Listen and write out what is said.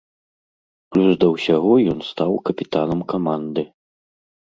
Плюс да ўсяго ён стаў капітанам каманды.